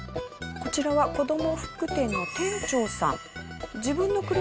こちらは子ども服店の店長さん。